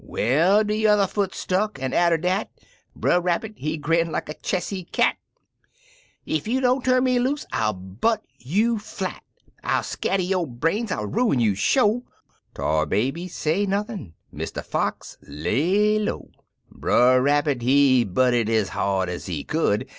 Well, de yuther fool stuck, an', atter dat, Brer Rabbit, he grin like a Chessy cat —" Ef you don't turn me loose I'll butt you flati I'll scatter yo' brains! I'll ruin you, sho!" Tar Baby say nothin' — Mr. Fox lay low. Brer Rabbit, he butted ez hard ez he could.